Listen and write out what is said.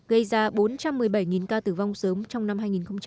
gây ra bốn trăm một mươi bảy ca tử vong sớm trong năm hai nghìn một mươi tám